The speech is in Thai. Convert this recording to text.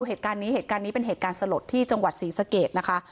เหตุการณ์นี้เป็นเหตุการณ์สลดที่จังหวัดศรีสะเกกนะคะ